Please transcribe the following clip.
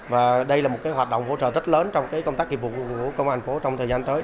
và đây là một cái hoạt động hỗ trợ rất lớn trong công tác kỳ vụ của công an phố trong thời gian tới